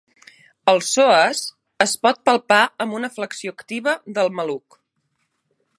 El psoas es pot palpar amb una flexió activa del maluc.